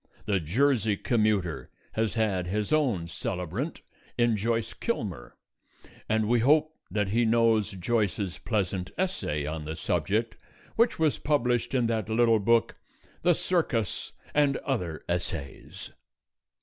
The Jersey commuter has had his own celebrant in Joyce Kilmer, and we hope that he knows Joyce's pleasant essay on the subject which was published in that little book, "The Circus and Other Essays."